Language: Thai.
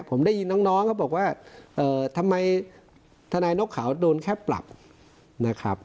ผมได้ยินน้องเขาบอกว่าทำไมทนายนกเขาโดนแค่ปรับนะครับ